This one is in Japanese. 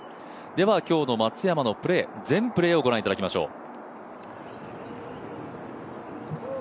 では今日の松山のプレー、全プレーをご覧いただきましょう。